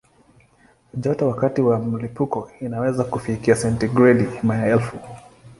Joto wakati wa mlipuko inaweza kufikia sentigredi maelfu.